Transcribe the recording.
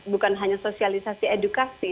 bukan hanya sosialisasi edukasi